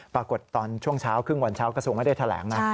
ตอนช่วงเช้าครึ่งวันเช้ากระทรวงไม่ได้แถลงนะ